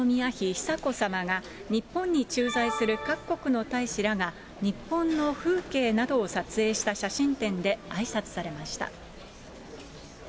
久子さまが、日本に駐在する各国の大使らが、日本の風景などを撮影した写真展であいさつされました。